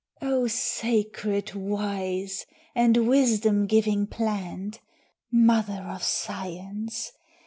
"O sacred, wise, and wisdom giving plant, Mother of science!